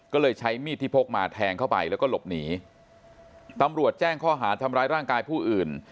ก็เลยใช้มีดที่พกมาแทงเข้าไปแล้วก็หลบหนีตำรวจแจ้งข้อหาทำร้ายร่างกายผู้อื่น